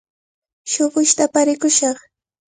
Shuqushta aparikushaq.